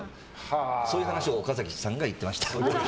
そういう話を岡崎さんが言ってました。